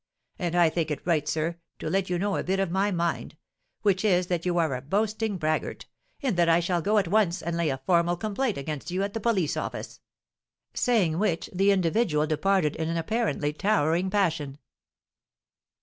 And I think it right, sir, to let you know a bit of my mind; which is, that you are a boasting braggart, and that I shall go at once and lay a formal complaint against you at the police office." Saying which, the individual departed in an apparently towering passion.